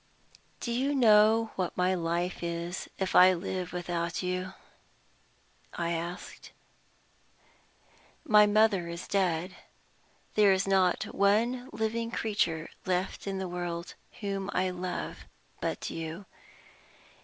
"Do you know what my life is if I live without you?" I asked. "My mother is dead. There is not a living creature left in the world whom I love but you.